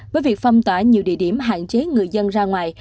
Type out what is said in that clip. với việc phong tỏa nhiều địa điểm hạn chế người dân ra ngoài